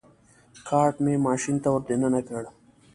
کارټ مې ماشین ته ور دننه کړ.